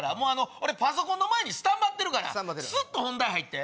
俺パソコンの前にスタンバってるからすっと本題入って。